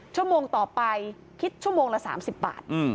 ชั่วโมงต่อไปคิดชั่วโมงละ๓๐บาท